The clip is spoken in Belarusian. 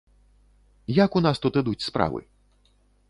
Як у нас тут ідуць справы?